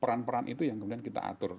peran peran itu yang kemudian kita atur